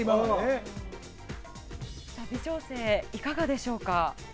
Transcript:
微調整、いかがでしょうか？